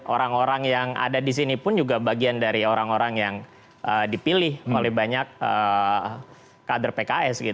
orang orang yang ada di sini pun juga bagian dari orang orang yang dipilih oleh banyak kader pks